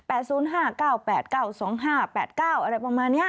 ๘๐๕๙๘๙๒๕๘๙อะไรประมาณนี้